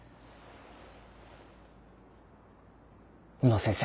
宇野先生